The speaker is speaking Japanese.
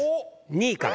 ２位から。